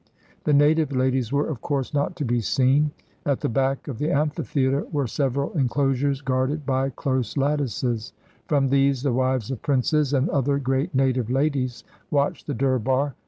The native ladies were, of course, not to be seen. At the back of the amphitheater were several inclosures guarded by close lattices ; from these the wives of princes and other great native ladies watched the Durbar.